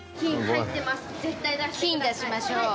金出しましょう。